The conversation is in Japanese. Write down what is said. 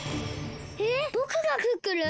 えぼくがクックルン！？